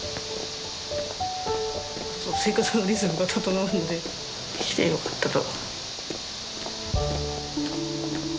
生活のリズムが整うので来てよかったと。